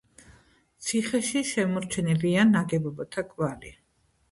ციხეში შემორჩენილია ნაგებობათა კვალი.